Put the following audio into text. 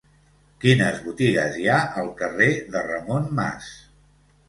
Quines botigues hi ha al carrer de Ramon Mas?